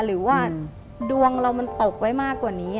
หรือว่าดวงเรามันตกไว้มากกว่านี้